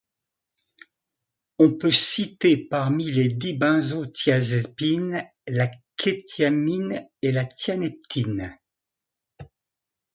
On peut citer parmi les dibenzothiazépines la quétiapine et la tianeptine.